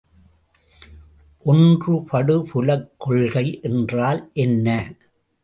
ஒன்றுபடுபுலக் கொள்கை என்றால் என்ன?